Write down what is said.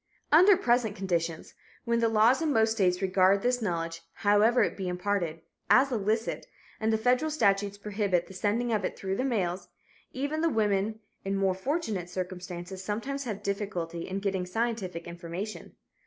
Under present conditions, when the laws in most states regard this knowledge, howsoever it be imparted, as illicit, and the federal statutes prohibit the sending of it through the mails, even the women in more fortunate circumstances sometimes have difficulty in getting scientific information.